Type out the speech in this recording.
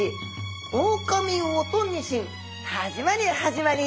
「オオカミウオとニシン」始まり始まり！